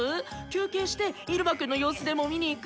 休憩して入間くんの様子でも見に行く？